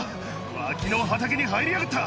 脇の畑に入りやがった。